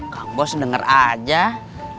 kang bos dengeran